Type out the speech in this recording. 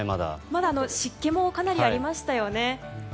まだ湿気もかなりありましたよね。